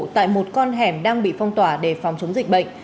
tại một con hẻm đang bị phong tỏa để phòng chống dịch bệnh